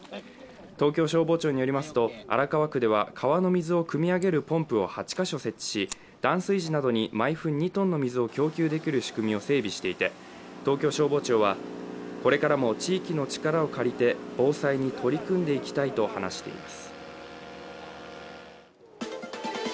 東京消防庁によりますと荒川区では川の水をくみ上げるポンプを８か所設置し、断水時などに毎分２ｔの水を供給できる仕組みを整備していて、東京消防庁はこれからも地域の力を借りて防災に取り組んでいきたいと話しています。